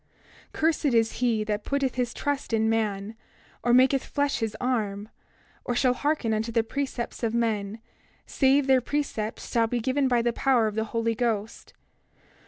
28:31 Cursed is he that putteth his trust in man, or maketh flesh his arm, or shall hearken unto the precepts of men, save their precepts shall be given by the power of the Holy Ghost.